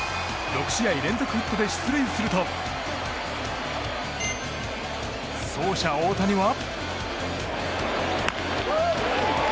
６試合連続ヒットで出塁すると走者・大谷は。